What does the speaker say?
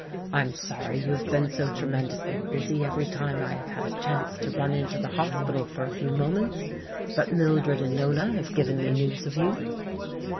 I'm sorry you have been so tremendously busy every time I have had a chance to run into the hospital for a few moments. But Mildred and Nona have given me news of you."